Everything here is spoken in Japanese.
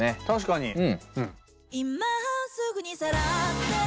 確かに！